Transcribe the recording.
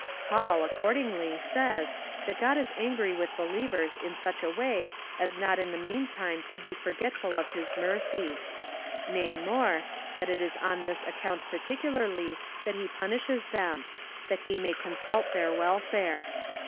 Paul, accordingly, says, that God is angry with believers in such a way as not in the meantime to be forgetful of his mercy : nay more, that it is on this account particularly that he punishes them — that he may consult their welfare.